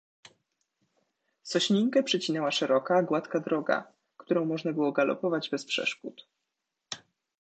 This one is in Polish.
"Sośninkę przecinała szeroka, gładka droga, którą można było galopować bez przeszkód."